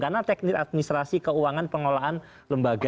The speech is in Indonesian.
karena teknik administrasi keuangan pengolahan lembaga